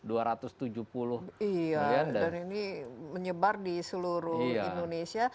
iya dan ini menyebar di seluruh indonesia